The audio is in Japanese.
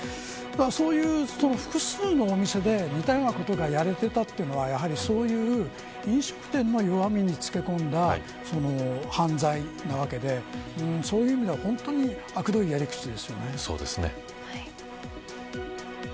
そういう複数のお店で似たようなことをやれていたのは飲食店の弱みにつけこんだ犯罪なわけでそういう意味では本当にあくどいやり口ですよね。